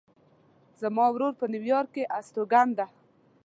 زما ورور په نیویارک کې استوګن ده